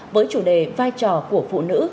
với chủ đề vai trò của phụ nữ